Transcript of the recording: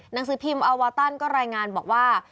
หนังสือพิมพ์อวาตันก็รายงานบอกว่า